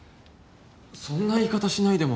そんな言い方しないでも。